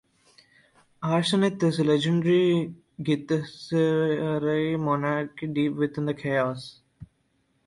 Arsanith is a legendary githzerai monastery deep within the chaos.